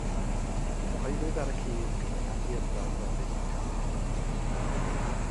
Cyhoeddwyd ar y cyd gydag Amgueddfa Werin Cymru.